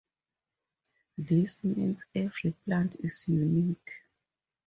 This means every plant is unique.